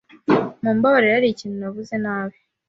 Mumbabarire, hari ikintu navuze nabi?